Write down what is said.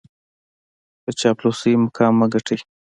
په چاپلوسۍ مقام مه ګټئ.